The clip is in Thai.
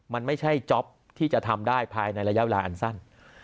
มันไม่ใช่จ๊อปที่จะทำได้ภายในระยะเวลาอันสั้น